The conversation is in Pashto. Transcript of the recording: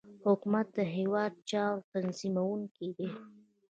حکومت د هیواد د چارو تنظیمونکی دی